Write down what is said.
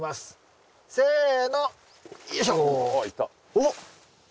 おっ。